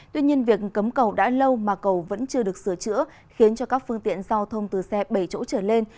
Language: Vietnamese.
tuy nhiên việc cấm cầu đã lâu mà cầu vẫn chưa được sửa chữa khiến cho các phương tiện giao thông từ xe bảy chỗ trở lên